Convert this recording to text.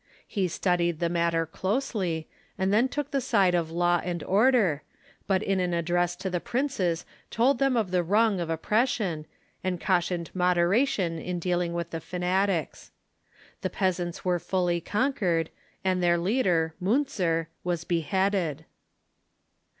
He stud ied the matter closely, and then took the side of law and or dei", but in an address to the princes told them of the wrong of oppression, and cautioned moderation in dealing with the fanatics. The peasants were fully conquered, and their lead er, Miinzer, was beheaded.